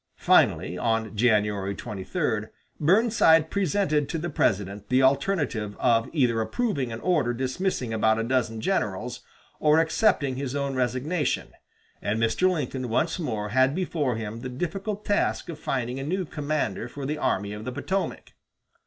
Finally, on January 23, Burnside presented to the President the alternative of either approving an order dismissing about a dozen generals, or accepting his own resignation, and Mr. Lincoln once more had before him the difficult task of finding a new commander for the Army of the Potomac.